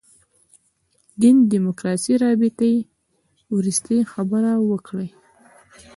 دین دیموکراسي رابطې وروستۍ خبره وکړي.